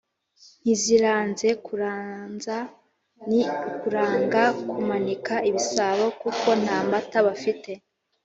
Ntiziranze: kuranza ni ukuranga (kumanika) ibisabo kuko nta mata bafite